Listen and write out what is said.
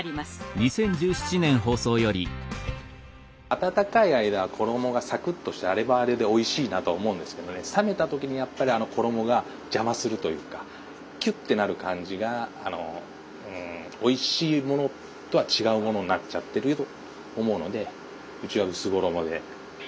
温かい間は衣がサクッとしてあれはあれでおいしいなとは思うんですけどね冷めた時にやっぱりあの衣が邪魔するというかキュッてなる感じがおいしいものとは違うものになっちゃってると思うのでうちは薄衣で。